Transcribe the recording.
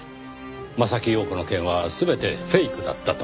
柾庸子の件は全てフェイクだったと。